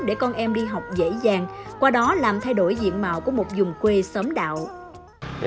để con em đi học dễ dàng qua đó làm thay đổi diện mạo của một dùng quê sớm đạo